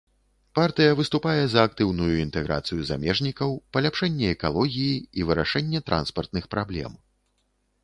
Партыя выступае за актыўную інтэграцыю замежнікаў, паляпшэнне экалогіі і вырашэнне транспартных праблем.